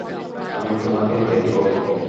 আমি তোমাকে দেখব।